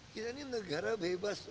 kita ini negara bebas